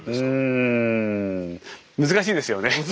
うん難しいですよね。